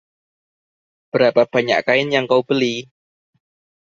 Berapa banyak kain yang kau beli?